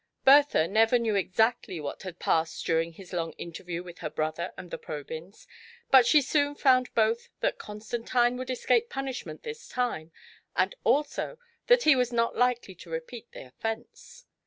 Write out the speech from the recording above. Bertha never knew exactly what had passed during his long interview with her brother and the Probyns, but she soon found both that Constantine would escape punishment this time, and also that he was not likely to repeat the offence.